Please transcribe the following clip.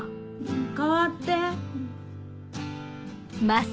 代わって！